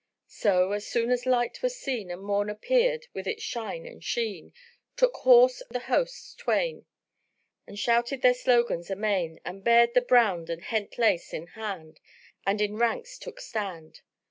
So, as soon as light was seen and morn appeared with its shine and sheen, took horse the hosts twain and shouted their slogans amain and bared the brand and hent lance in hand and in ranks took stand.